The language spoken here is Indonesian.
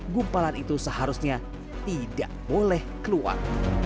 gumpalan itu seharusnya tidak boleh keluar